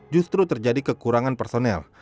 justru terjadi kekurangan personel